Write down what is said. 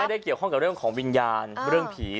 ไม่ได้เกี่ยวข้องกับเรื่องของวิญญาณเรื่องผี